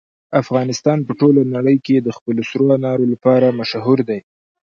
افغانستان په ټوله نړۍ کې د خپلو سرو انارو لپاره مشهور دی.